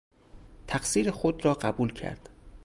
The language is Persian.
تقصیر خود را قبول کرد.